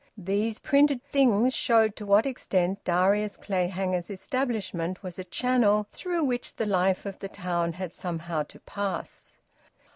These printed things showed to what extent Darius Clayhanger's establishment was a channel through which the life of the town had somehow to pass.